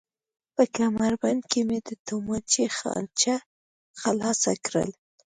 په کمربند کې مې د تومانچې خانچه خلاصه کړل.